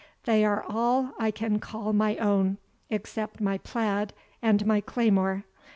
They are all I can call my own, except my plaid and my claymore.